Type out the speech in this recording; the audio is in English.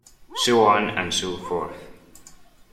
So on and so forth.